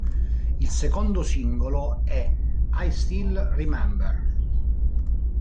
Il secondo singolo è "I Still Remember".